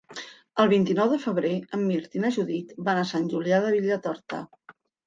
El vint-i-nou de febrer en Mirt i na Judit van a Sant Julià de Vilatorta.